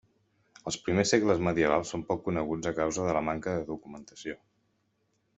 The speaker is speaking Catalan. Els primers segles medievals són poc coneguts a causa de la manca de documentació.